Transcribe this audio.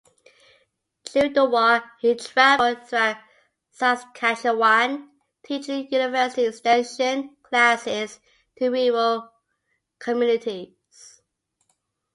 During the war, he travelled throughout Saskatchewan, teaching university extension classes to rural communities.